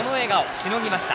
しのぎました。